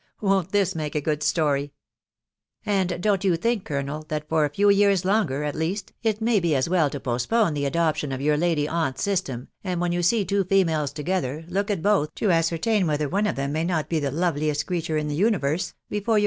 "Won't this mnke a good story r> .... And don't you think* colonel*, that fo* a few yease longer, at least, it may be aa well to postpone the adoption of your lady aunt's system, and when you see two females together, look at bothy to ascertain^ whether one of them may not be the loveliest ereature in the universe, before you.